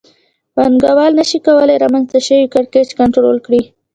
پانګوال نشي کولای رامنځته شوی کړکېچ کنټرول کړي